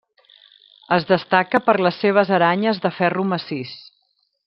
Es destaca per les seves aranyes de ferro massís.